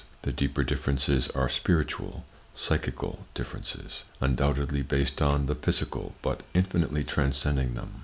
The deeper differences are spiritual, psychical, differences—undoubtedly based on the physical, but infinitely transcending them.